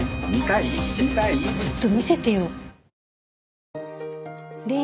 ちょっと見せてよ。